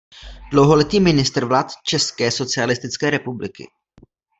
Dlouholetý ministr vlád České socialistické republiky.